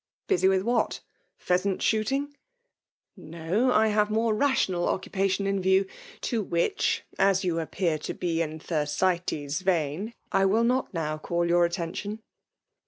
" Busy with what ?— Pheasant shooting ?"No !— ^I have more rational occupation in view; to which* as you appear to be in Ther atea' vein, I will not now call your aitention."